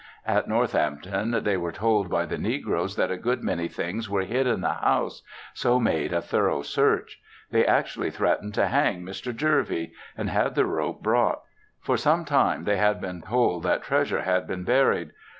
At Northampton they were told by the negroes that a good many things were hid in the house, so made a thorough search. They actually threatened to hang Mr. Jervey, and had the rope brought. For some time they had been told (that treasure?) had been buried.